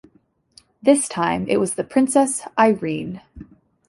This time it was the "Princess Irene".